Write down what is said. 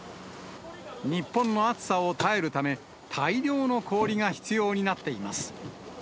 日本の暑さを耐えるため、大量の氷が必要になっています。